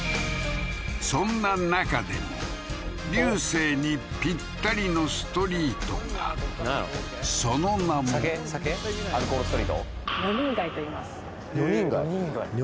そんな中でも流星にピッタリのストリートがその名もアルコールストリート？